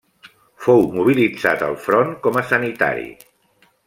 Fou mobilitzat al front com a sanitari.